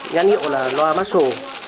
nhãn hiệu là loa marshall